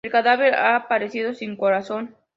El cadáver ha aparecido sin corazón.